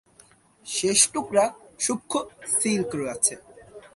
শেষ টুকরা সূক্ষ্ম সিল্ক আছে।